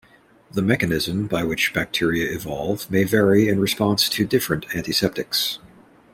The mechanism by which bacteria evolve may vary in response to different antiseptics.